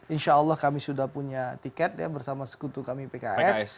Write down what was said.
insya allah kami sudah punya tiket bersama sekutu kami pks